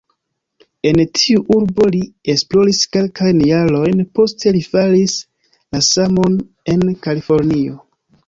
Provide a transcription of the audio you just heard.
En tiu urbo li esploris kelkajn jarojn, poste li faris la samon en Kalifornio.